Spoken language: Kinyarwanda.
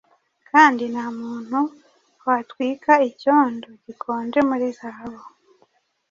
Kandi ntamuntu watwika icyombo gikozwe muri zahabu